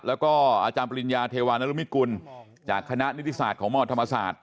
แล้วก็อาจารย์ปริญญาเทวานรุมิตกุลจากคณะนิติศาสตร์ของมธรรมศาสตร์